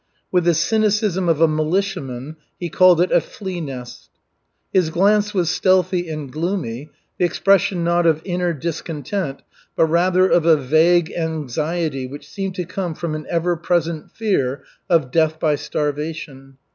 With the cynicism of a militiaman, he called it "a flea nest." His glance was stealthy and gloomy, the expression not of inner discontent, but rather of a vague anxiety which seemed to come from an ever present fear of death by starvation.